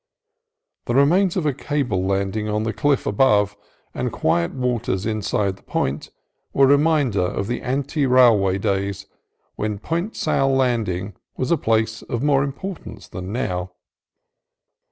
The remains of a cable landing on the cliff above the quiet water inside the point were a reminder of the ante railway days when Point Sal Landing was a place of more importance than now.